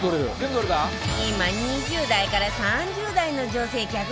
今２０代から３０代の女性客が大殺到